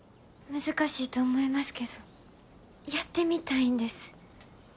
難しいと思いますけどやってみたいんです。